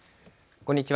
こんにちは。